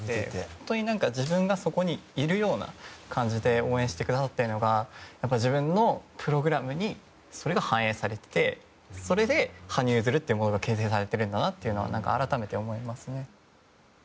本当に自分がそこにいるような感じで応援してくださってるのが自分のプログラムにそれが反映されててそれで羽生結弦ってものが形成されてるんだと改めて思いますね。